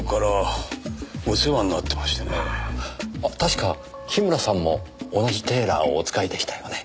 あ確か樋村さんも同じテーラーをお使いでしたよね？